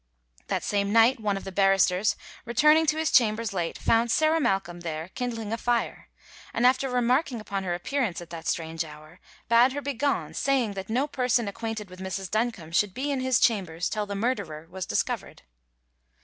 That same night one of the barristers, returning to his chambers late, found Sarah Malcolm there kindling a fire, and after remarking upon her appearance at that strange hour, bade her begone, saying, that no person acquainted with Mrs. Duncombe should be in his chambers till the murderer was discovered.